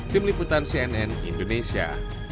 tim liputan cnn indonesia